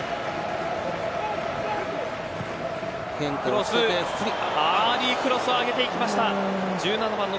アーリークロスを上げていきました